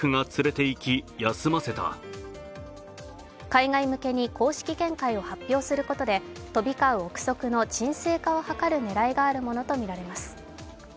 海外向けに公式見解を発表することで飛び交う憶測の鎮静化を図る狙いがあるものとみられます。